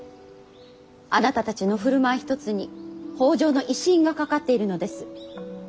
あなたたちの振る舞い一つに北条の威信がかかっているのです。